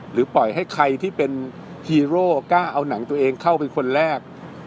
ปล่อยให้ใครที่เป็นฮีโร่กล้าเอาหนังตัวเองเข้าเป็นคนแรก